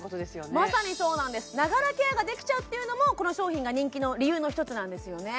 まさにそうなんですながらケアができちゃうっていうのもこの商品が人気の理由の一つなんですよね